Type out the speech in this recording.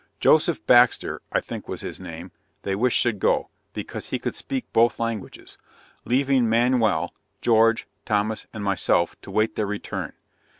Joseph Baxter (I think was his name) they wished should go, because he could speak both languages leaving Manuel, George, Thomas and myself, to wait their return.